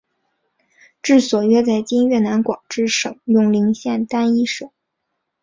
治所约在今越南广治省永灵县丹裔社。